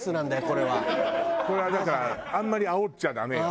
これはだからあんまりあおっちゃダメよ。